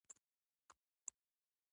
ولې ای ای د انسانانو ربه.